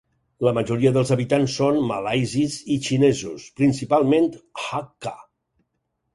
La majoria dels habitants són malaisis i xinesos, principalment hakka.